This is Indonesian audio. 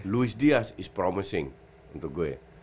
luis diaz is promising untuk gue